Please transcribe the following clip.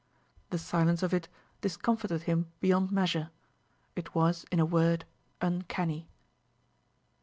The silence of it discomfited him beyond measure; it was, in a word, uncanny.